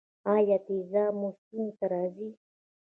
ایا تیزاب مو ستوني ته راځي؟